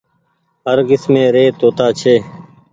هر ڪسمي ري توتآ ڇي۔